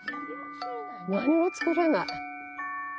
何も作れない。